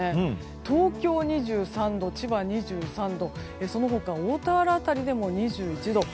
東京２３度、千葉２３度、その他大田原辺りでも２１度。